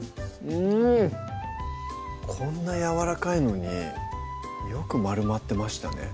こんなやわらかいのによく丸まってましたね